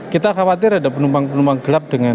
kita khawatir ada penumpang penumpang gelap dengan